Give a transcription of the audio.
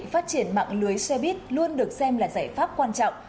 phát triển mạng lưới xe buýt luôn được xem là giải pháp quan trọng